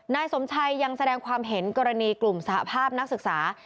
นายสมชัยยังแสดงความเห็นกรณีกลุ่มสหภาพนักศึกษา